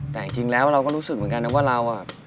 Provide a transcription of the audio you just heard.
แต่จริงแล้วเราก็รู้สึกเหมือนกันนะว่าเรา